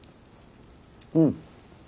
うん。